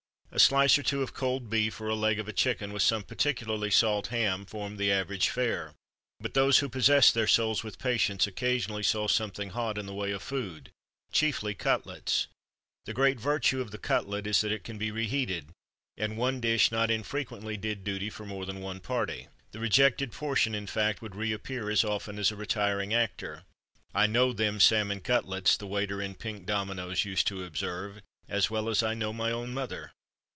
A slice or two of cold beef, or a leg of a chicken, with some particularly salt ham, formed the average fare; but those who possessed their souls with patience occasionally saw something hot, in the way of food chiefly cutlets. The great virtue of the cutlet is that it can be reheated; and one dish not infrequently did duty for more than one party. The rejected portion, in fact, would "reappear" as often as a retiring actor. "I know them salmon cutlets," the waiter in Pink Dominoes used to observe, "as well as I know my own mother!"